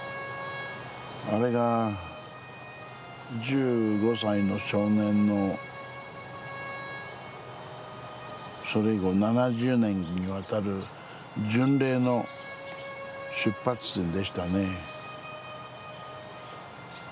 あれが１５歳の少年のそれ以後７０年にわたる巡礼の出発点でしたね。